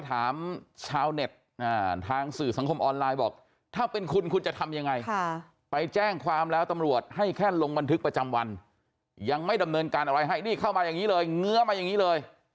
ถามชาวเน็ตทางสื่อสังคมออนไลน์บอกถ้าเป็นคุณคุณจะทำยังไงไปแจ้งความแล้วตำรวจให้แค่ลงบันทึกประจำวันยังไม่ดำเนินการอะไรให้นี่เข้ามาอย่างนี้เลยเงื้อมาอย่างนี้เลย